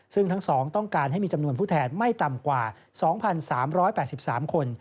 ซึ่งทั้ง๒ต้องการให้มีจำนวนผู้แทนไม่ต่ำกว่า๒๓๘๓คน